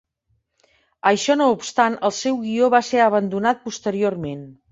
Això no obstant, el seu guió va ser abandonat posteriorment.